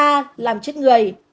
a làm chết người